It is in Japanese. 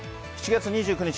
７月２９日